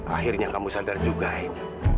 akhirnya kamu sadar juga ini